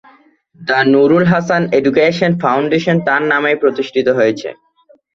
The Nurul Hasan education foundation তার নামেই প্রতিষ্ঠিত হয়েছে।